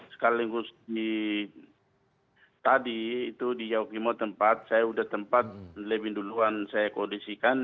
sekaligus di tadi itu di yaukimo tempat saya sudah tempat lebih duluan saya kondisikan